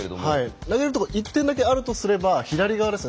投げる所一点だけあるとすれば左側です。